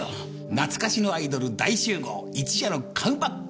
『なつかしのアイドル大集合一夜のカムバックカーニバル』！